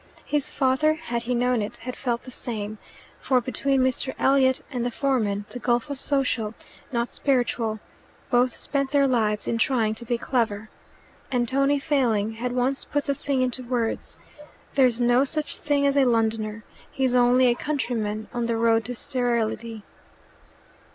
His father, had he known it, had felt the same; for between Mr. Elliot and the foreman the gulf was social, not spiritual: both spent their lives in trying to be clever. And Tony Failing had once put the thing into words: "There's no such thing as a Londoner. He's only a country man on the road to sterility."